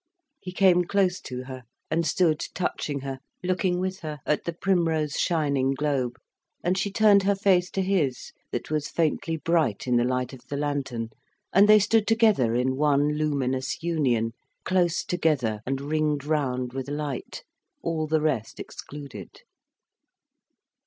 He came close to her, and stood touching her, looking with her at the primrose shining globe. And she turned her face to his, that was faintly bright in the light of the lantern, and they stood together in one luminous union, close together and ringed round with light, all the rest excluded.